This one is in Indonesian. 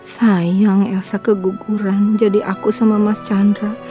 sayang elsa keguguran jadi aku sama mas chandra